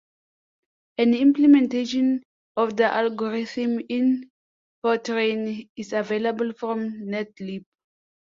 An implementation of the algorithm in Fortran is available from Netlib.